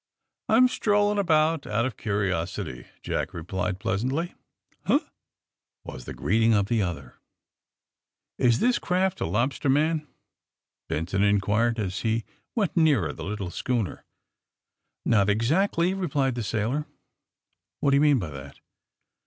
I'm strolling about out of curiosity," Jack replied pleasantly. Huh!" was the greeting of the other. Is this craft a lobsterman?" Benson in quired, as he went nearer the little schooner. AND THE SMUGGLERS 37 ''Not exactly/^ replied the sailor. ''What do you mean by that?"